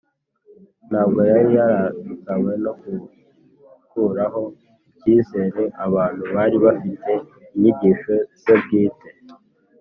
ntabwo yari yarazanywe no gukuraho icyizere abantu bari bafitiye inyigisho ze bwite